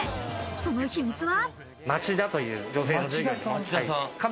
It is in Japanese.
その秘密は。